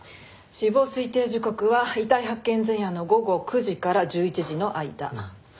死亡推定時刻は遺体発見前夜の午後９時から１１時の間。